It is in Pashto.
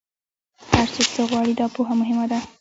هر څوک څه غواړي، دا پوهه مهمه ده.